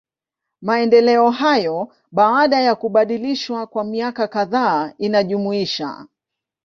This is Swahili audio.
Maendeleo hayo, baada ya kubadilishwa kwa miaka kadhaa inajumuisha.